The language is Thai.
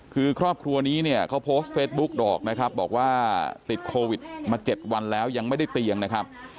คือครอบครัวนี้เนี่ยเขาโพสต์เฟซบุ๊กบอกนะครับบอกว่าติดโควิดมา๗วันแล้วยังไม่ได้เตียงนะครับ